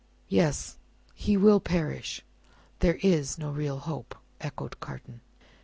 "Yes. He will perish: there is no real hope," echoed Carton.